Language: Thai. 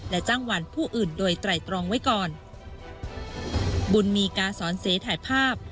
และจ้างวันผู้อื่นโดยไตรตรองไว้ก่อนบุญมีกาสอนเสถ่ายภาพ